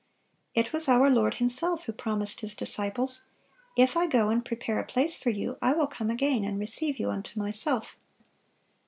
It was our Lord Himself who promised His disciples, "If I go and prepare a place for you, I will come again, and receive you unto Myself."